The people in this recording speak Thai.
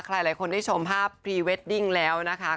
หลายคนได้ชมภาพพรีเวดดิ้งแล้วนะคะ